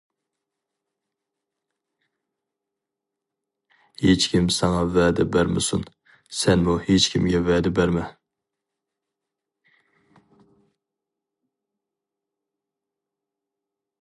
ھېچكىم ساڭا ۋەدە بەرمىسۇن، سەنمۇ ھېچكىمگە ۋەدە بەرمە!